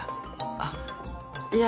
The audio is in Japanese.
あっいや